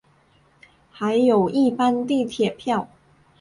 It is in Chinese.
还有一般地铁票